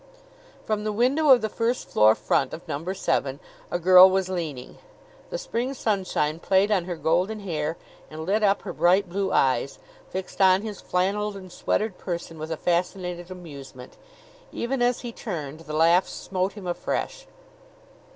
From the window of the first floor front of Number Seven a girl was leaning. The Spring sunshine played on her golden hair and lit up her bright blue eyes, fixed on his flanneled and sweatered person with a fascinated amusement. Even as he turned, the laugh smote him afresh.